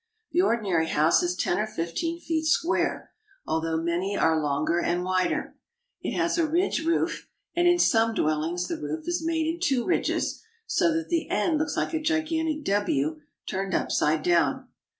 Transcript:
The ordinary house is ten or fifteen feet square, although many are longer and wider. It has a ridge roof, and in some dwellings the roof is made in two ridges so that the ends look like a gigantic W turned upside down.